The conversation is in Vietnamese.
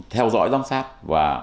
theo dõi giám sát và